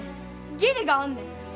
義理があんねん。